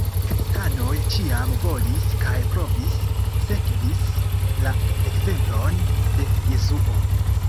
Kristanoj ĉiam volis kaj provis sekvis la ekzemplon de Jesuo.